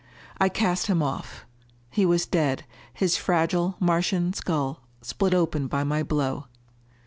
I cast him off. He was dead, his fragile Martian skull split open by my blow.